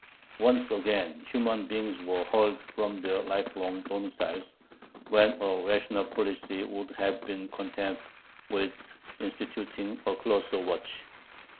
Once again human beings were hurled from their lifelong domiciles, when a rational policy would have been content with instituting a closer watch.